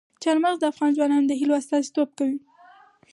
چار مغز د افغان ځوانانو د هیلو استازیتوب کوي.